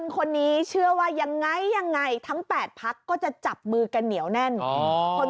คนนี้เชื่อว่ายังไงยังไงทั้ง๘พักก็จะจับมือกันเหนียวแน่น